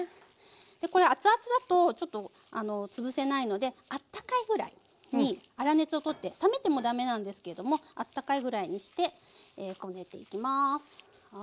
これ熱々だとちょっとつぶせないのであったかいぐらいに粗熱をとって冷めてもダメなんですけどもあったかいぐらいにしてこねていきます。